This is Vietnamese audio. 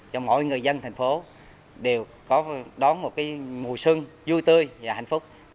cho mọi người dân thành phố đều có đón một mùi sưng vui tươi và hạnh phúc